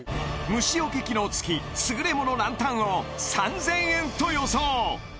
虫よけ機能つき優れものランタンを３０００円と予想